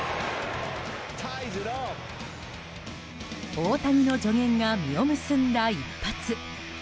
大谷の助言が実を結んだ一発。